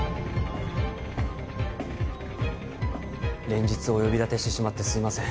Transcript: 連日お呼びだてしてしまってすいません